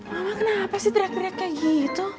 mama kenapa sih terak teriak kayak gitu